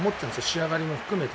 仕上がり含めて。